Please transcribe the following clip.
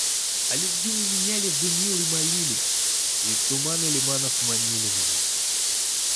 О любви не меня ли вы, милый, молили, и в туманы лиманов манили меня?